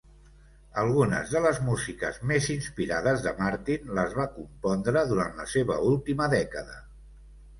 Algunes de les músiques més inspirades de Martin les va compondre durant la seva última dècada.